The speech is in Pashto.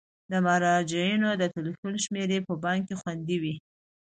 د مراجعینو د تلیفون شمیرې په بانک کې خوندي وي.